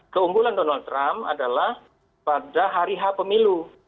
keunggulan donald trump adalah pada hari h pemilu